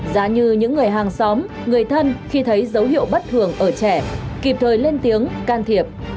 giá như những người hàng xóm người thân khi thấy dấu hiệu bất thường ở trẻ kịp thời lên tiếng can thiệp